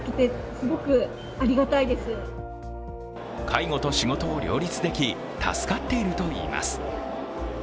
介護と仕事を両立でき助かっているといいます。